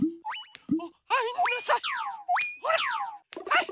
はい！